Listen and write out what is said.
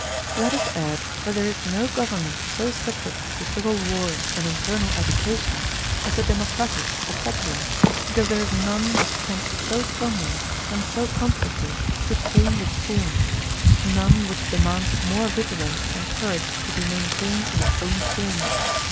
Let us add that there is no government so subject to civil wars and internal agitation as the democratic or popular, because there is none which tends so strongly and so constantly to change its form, none which de mands more vigilance and courage to be maintained in its own form.